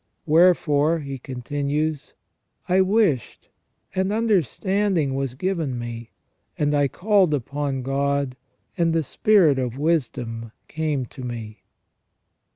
" Wherefore," he con tinues, " I wished ; and understanding was given me ; and I called upon God, and the spirit of wisdom came to me."